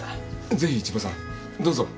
ぜひ千葉さんどうぞ。